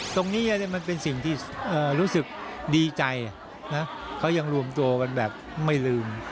ตรงนี้มันเป็นสิ่งที่รู้สึกดีใจนะเขายังรวมตัวกันแบบไม่ลืม